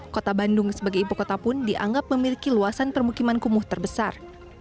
kota bandung sebagai ibu kota pun dianggap memiliki luasan permukiman kumuh terbesar